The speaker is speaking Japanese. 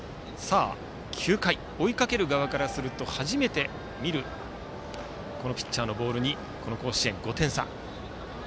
９回追いかける側からすると初めて見るピッチャーのボールに甲子園５点差。